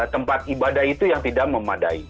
tempat ibadah itu yang tidak memadai